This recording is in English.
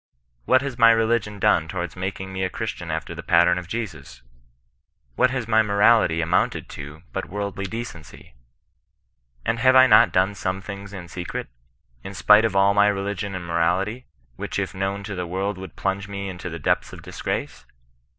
What has my religion done towards making me a Chris tian after the pattern of Jesus ? What has my morality amounted to but worldly decency? And have I not done some things in secret, in spite of all my religion and morality, which if known to the world would plunge me into the depths of disgrace